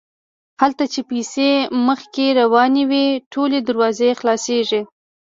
هلته چې پیسې مخکې روانې وي ټولې دروازې خلاصیږي.